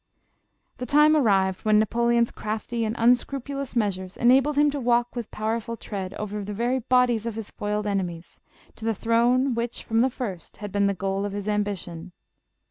The time arrived when Napoleon's crafty and un scrupulous measures enabled him to walk with power ful tread over the very bodies of his foiled enemies, to the throne which, from the first, had been the goal of his ambition.